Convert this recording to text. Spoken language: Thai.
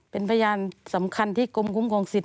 เป็นพยานสำคัญที่กรมคุ้มครองสิทธ